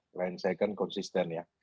klien saya kan konsisten ya